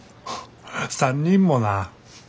３人もな。